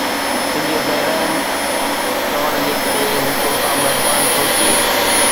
تنھنجي بي رحم چوڻ جي ڪري ھو توسان مھربان ڇو ٿئي؟